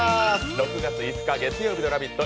６月５日、月曜日のラヴィット！